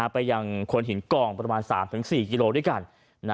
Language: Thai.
ไปยังคนหินกองประมาณ๓๔กิโลด้วยกัน